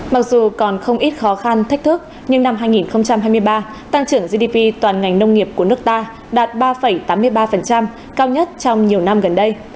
mặc dù còn không ít khó khăn thách thức nhưng năm hai nghìn hai mươi ba tăng trưởng gdp toàn ngành nông nghiệp của nước ta đạt ba tám mươi ba cao nhất trong nhiều năm gần đây